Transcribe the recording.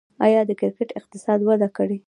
آیا د کرکټ اقتصاد وده کړې؟